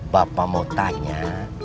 bapak mau tanya